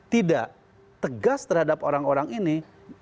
tidak tegas terhadap orang orang ini